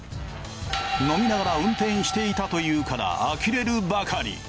飲みながら運転していたというからあきれるばかり。